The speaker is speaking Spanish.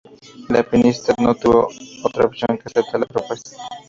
La pianista no tuvo otra opción que aceptar la propuesta.